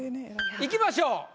いきましょう。